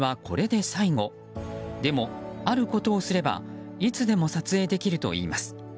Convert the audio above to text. でも、あることをすればいつでも撮影できるといいます。